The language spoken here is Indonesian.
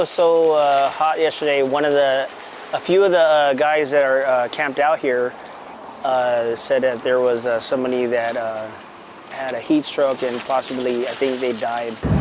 sebelumnya beberapa orang yang berlindung di sini mengatakan ada orang yang terluka dan mungkin mereka mati